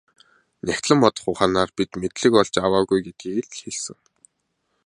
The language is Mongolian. Нягтлан бодох ухаанаар бид мэдлэг олж аваагүй гэдгийг л хэлсэн.